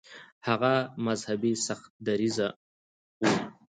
هغه مذهبي سخت دریځه و.